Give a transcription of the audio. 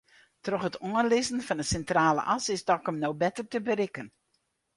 Troch it oanlizzen fan de Sintrale As is Dokkum no better te berikken.